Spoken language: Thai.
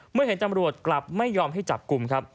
เมื่อเห็นตำรวจกลับไม่ยอมให้จับกลุ่มครับ